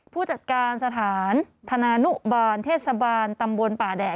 ผู้จัดการสถานธนานุบาลเทศบาลตำบลป่าแดด